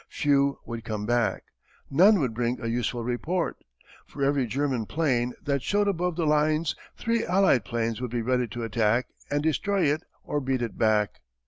Few would come back. None would bring a useful report. For every German plane that showed above the lines three Allied planes would be ready to attack and destroy it or beat it back.